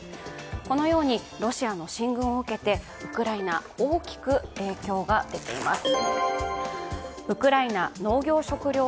このようにロシアの進軍を受けてウクライナ、大きく影響が出ています。